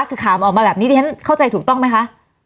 คือขามออกมาแบบนี้เดี๋ยวฉันเข้าใจถูกต้องไหมคะ